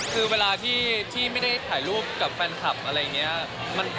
คือเวลาที่ไม่ได้ถ่ายรูปกับแฟนคลับอะไรอย่างนี้